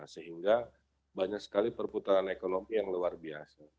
sehingga banyak sekali perputaran ekonomi yang luar biasa